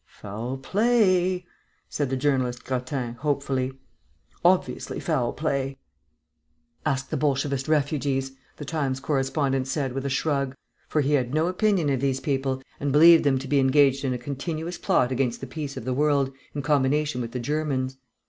"Foul play," said the journalist Grattan, hopefully. "Obviously foul play." "Ask the Bolshevist refugees," the Times correspondent said with a shrug. For he had no opinion of these people, and believed them to be engaged in a continuous plot against the peace of the world, in combination with the Germans.